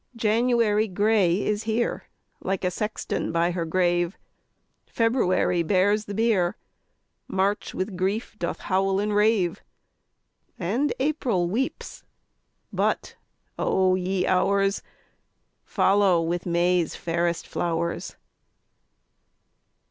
4. January gray is here, Like a sexton by her grave; _20 February bears the bier, March with grief doth howl and rave, And April weeps but, O ye Hours! Follow with May's fairest flowers.